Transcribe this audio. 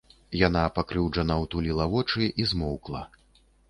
Яна пакрыўджана ўтуліла вочы і змоўкла.